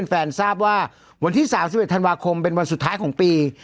เป็นแฟนทราบว่าวันที่สามสิบเอ็ดธันวาคมเป็นวันสุดท้ายของปี